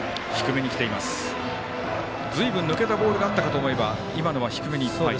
ずいぶん抜けたボールがあったかと思えば今のは低めにいっぱい。